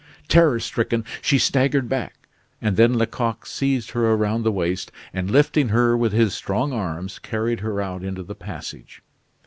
Terror stricken, she staggered back, and then Lecoq seized her around the waist, and, lifting her with his strong arms, carried her out into the passage.